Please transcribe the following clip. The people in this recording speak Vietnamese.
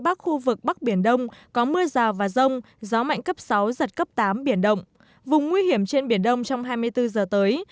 bắc khu vực bắc biển đông có mưa rào và rông gió mạnh cấp sáu giật cấp tám biển động vùng nguy hiểm trên biển đông trong hai mươi bốn giờ tới